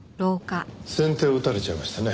先手を打たれちゃいましたね。